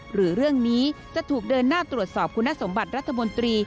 หรือเรื่องนี้จะถูกเดินหน้าตรวจสอบคุณสมบัติรัฐมนตรี